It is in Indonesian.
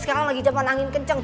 sekarang lagi zaman angin kencang